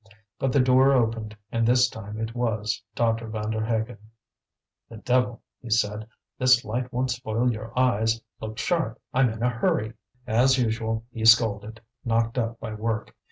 But the door opened, and this time it was Doctor Vanderhaghen. "The devil!" he said. "This light won't spoil your eyes. Look sharp! I'm in a hurry." As usual, he scolded, knocked up by work.